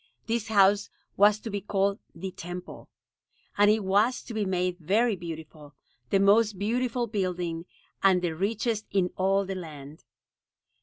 This house was to be called "The Temple"; and it was to be made very beautiful, the most beautiful building, and the richest in all the land.